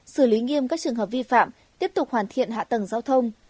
xử lý nghiêm các trường hợp vi phạm tiếp tục hoàn thiện hạ tầng giao thông